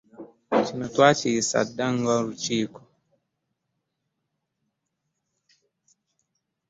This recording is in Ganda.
Kino twakiyisa dda nga olukiiko.